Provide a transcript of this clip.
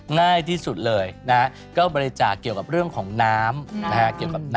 ง่ายที่สุดเลย